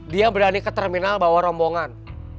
dia berani ke terminal bawa rombongan